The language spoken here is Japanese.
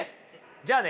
じゃあね